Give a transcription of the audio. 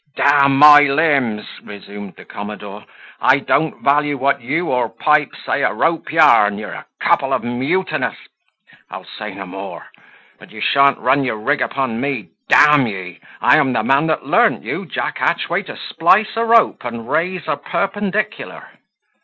"D my limbs!" resumed the commodore, "I don't value what you or Pipes say a rope yarn. You're a couple of mutinous I'll say no more; but you shan't run your rig upon me, d ye, I am the man that learnt you, Jack Hatchway, to splice a rope and raise a perpendicular."